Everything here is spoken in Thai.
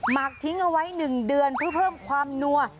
หักทิ้งเอาไว้๑เดือนเพื่อเพิ่มความนัว